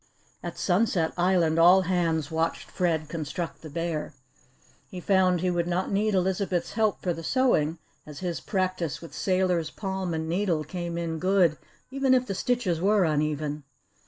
At Sunset Island, all hands watched Fred construct the bear. He found he would not need Elizabeth's help for the sewing as his practice with sailor's palm and needle came in good even if the stitches were uneven.